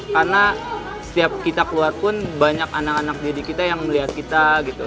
karena setiap kita keluar pun banyak anak anak diri kita yang melihat kita gitu